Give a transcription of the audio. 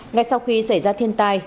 ngay sau khi xảy ra thiên tai